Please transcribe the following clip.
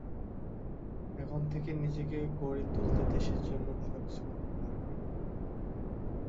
এখন থেকে নিজেকে গড়ে তুললে দেশের জন্য ভালো কিছু করতে পারব।